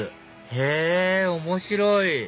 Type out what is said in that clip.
へぇ面白い！